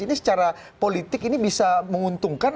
ini secara politik ini bisa menguntungkan